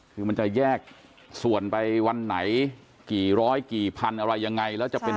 คือมันจะแยกส่วนไปวันไหน